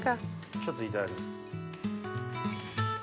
ちょっといただきます。